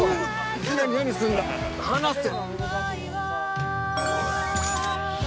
いきなり何すんだ離せ！